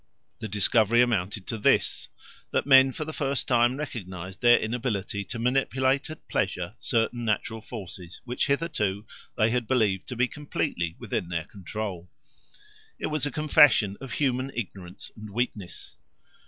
The discovery amounted to this, that men for the first time recognised their inability to manipulate at pleasure certain natural forces which hitherto they had believed to be completely within their control. It was a confession of human ignorance and weakness.